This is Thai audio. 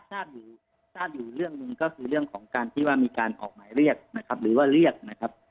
ทราบอยู่ทราบอยู่เรื่องหนึ่งก็คือเรื่องของการที่ว่ามีการออกหมายเรียกนะครับหรือว่าเรียกนะครับ